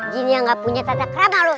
jin yang gak punya tata kerama lu